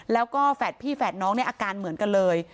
แล้วก็แฝดพี่แฝดน้องในอาการเหมือนกันเลย